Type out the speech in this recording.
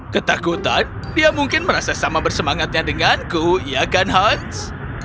ketakutan dia mungkin merasa sama bersemangatnya denganku iya kan hans